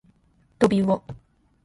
とびうお